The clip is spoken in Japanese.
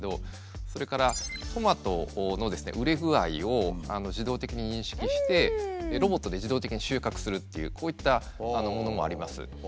それからトマトの熟れ具合を自動的に認識してロボットで自動的に収穫するというこういったものもあります。